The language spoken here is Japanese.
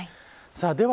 では